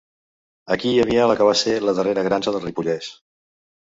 Aquí hi havia la que va ser la darrera granja del Ripollès.